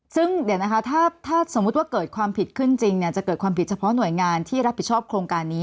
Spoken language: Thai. ซึ่งเดี๋ยวนะคะถ้าสมมุติว่าเกิดความผิดขึ้นจริงจะเกิดความผิดเฉพาะหน่วยงานที่รับผิดชอบโครงการนี้